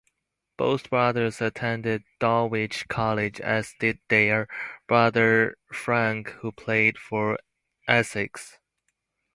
Both brothers attended Dulwich College, as did their brother Frank, who played for Essex.